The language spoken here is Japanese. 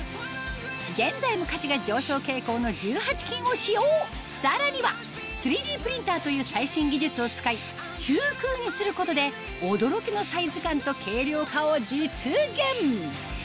現在も価値が上昇傾向の１８金を使用さらには３Ｄプリンターという最新技術を使い中空にすることで驚きのサイズ感と軽量化を実現